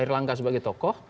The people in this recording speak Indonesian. erlangga sebagai tokoh